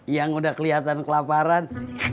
yang udah keliatan kelaparan